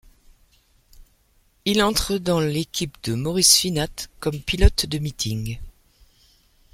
Il entre dans l’équipe de Maurice Finat comme pilote de meetings.